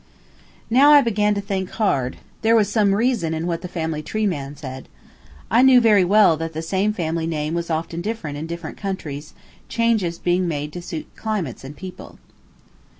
Now I began to think hard; there was some reason in what the family tree man said. I knew very well that the same family name was often different in different countries, changes being made to suit climates and people.